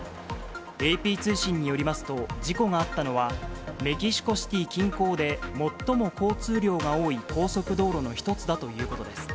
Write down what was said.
ＡＰ通信によりますと、事故があったのは、メキシコシティー近郊で最も交通量が多い高速道路の一つだということです。